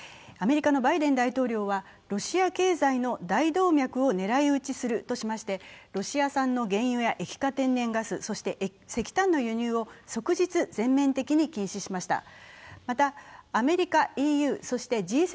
アメリカのバイデン大統領は、ロシア経済の大動脈を狙い撃ちするとしましてロシア産の原油や液化天然ガス、そして、石炭の輸入を即日全面的に禁止しました。